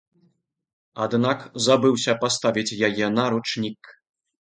Аднак забыўся паставіць яе на ручнік.